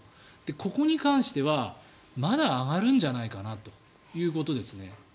ここに関してはまだ上がるんじゃないかなということですね。